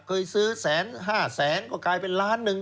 เคยซื้อแสนห้าแสนก็กลายเป็นล้านหนึ่ง